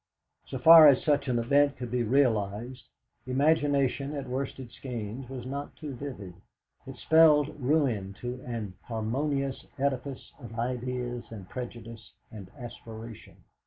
So far as such an event could be realised imagination at Worsted Skeynes was not too vivid it spelled ruin to an harmonious edifice of ideas and prejudice and aspiration.